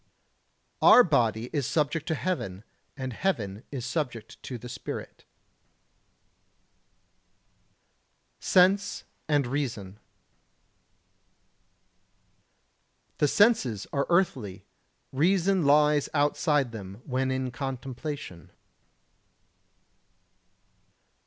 Our body is subject to Heaven, and Heaven is subject to the Spirit. [Sidenote: Sense and Reason] 90. The senses are earthly; reason lies outside them when in contemplation.